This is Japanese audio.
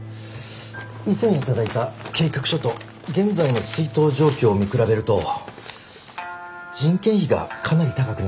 以前頂いた計画書と現在の出納状況を見比べると人件費がかなり高くなってます。